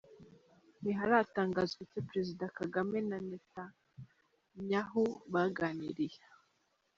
Ntiharatangazwa icyo Perezida Kagame na Netanyahu baganiriye.